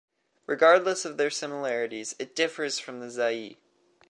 Regardless of their similarities, it differs from the Zaï.